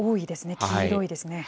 黄色いですね。